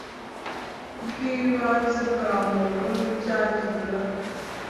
Bw ibanze bwa muntu n ibyagirira